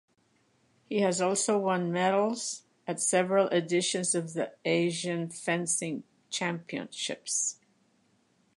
He has also won medals at several editions of the Asian Fencing Championships.